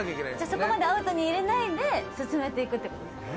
そこまでアウトに入れないで進めていくって事ですよね。